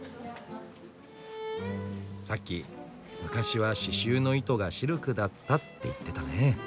さっき「昔は刺しゅうの糸がシルクだった」って言ってたね。